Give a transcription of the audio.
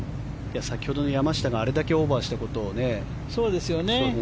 先ほどの山下があれだけオーバーしたことを思うと。